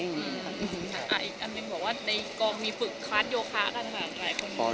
อีกอันหนึ่งบอกว่าในกองมีฝึกคลาสโยคะกันหลายคน